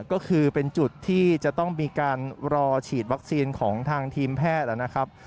ก็คือเป็นจุดที่จะต้องมีการรอฉีดวัคซีนของทางทีมแพทย์นะครับ